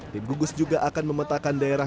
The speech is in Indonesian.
tim gugus juga akan memetakan daerah